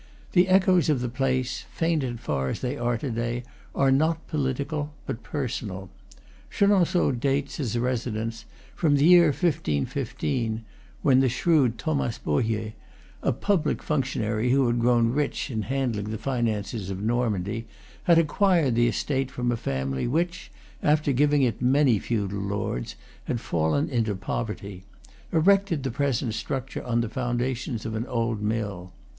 The echoes of the place, faint and far as they are to day, are not political, but personal. Chenonceaux dates, as a residence, from the year 1515, when the shrewd Thomas Bohier, a public functionary who had grown rich in handling the finances of Nor mandy, and had acquired the estate from a family which, after giving it many feudal lords, had fallen into poverty, erected the present structure on the foundations of an old mill.